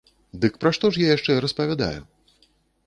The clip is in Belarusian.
Дык пра што ж я яшчэ распавядаю?